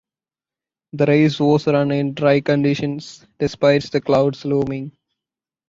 The race was run in dry conditions despite the clouds looming.